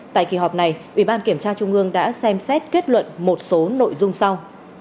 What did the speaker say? tại kỳ họp này ủy ban kiểm tra trung ương đã xem xét kết luận một số nội dung sau